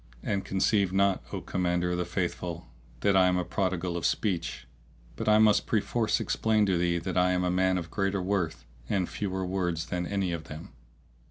And conceive not, O Commander of the Faithful, that I am prodigal of speech; but I must perforce explain to thee that I am a man of greater worth and fewer words than any of them.